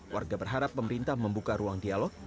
warga berharap pemerintah membuka ruang dialog